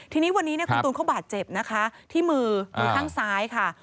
ทีนี้วันนี้คุณตูนเขาบาดเจ็บนะคะที่มือมือข้างซ้ายค่ะ